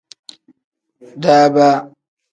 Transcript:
Daaba.